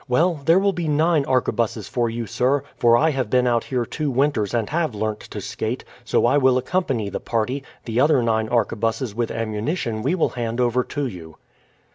Well, there will be nine arquebuses for you, sir; for I have been out here two winters and have learnt to skate, so I will accompany the party, the other nine arquebuses with ammunition we will hand over to you."